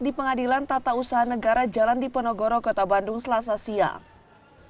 di pengadilan tata usaha negara jalan diponegoro kota bandung selasa siang